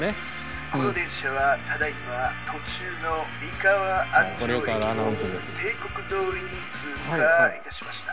この電車はただいま途中の三河安城駅を定刻どおりに通過いたしました」。